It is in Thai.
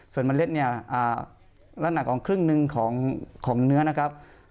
ส่วนเมล็ดเนี่ยลักษณะของครึ่งหนึ่งของเนื้อนะครับ